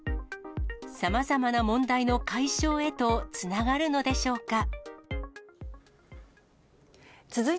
さまざまな問題の解消へとつながるのでしょうか。